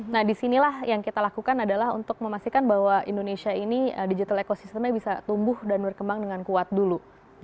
nah disinilah yang kita lakukan adalah untuk memastikan bahwa indonesia ini digital ecosystemnya bisa tumbuh dan berkembang dengan kuat dulu